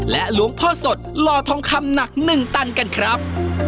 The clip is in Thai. หลวงพ่อสดหล่อทองคำหนัก๑ตันกันครับ